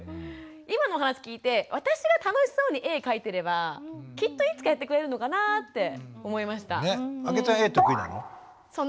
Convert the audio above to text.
今の話を聞いて私が楽しそうに絵描いてればきっといつかやってくれるのかなって思いました。